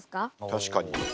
確かに。